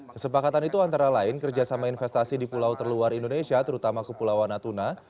kesepakatan itu antara lain kerjasama investasi di pulau terluar indonesia terutama kepulauan natuna